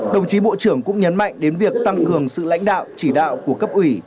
đồng chí bộ trưởng cũng nhấn mạnh đến việc tăng cường sự lãnh đạo chỉ đạo của cấp ủy